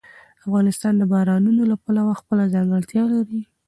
افغانستان د بارانونو له پلوه خپله ځانګړتیا لري.